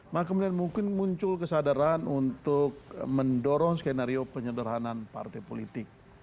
maka kemudian mungkin muncul kesadaran untuk mendorong skenario penyederhanan partai politik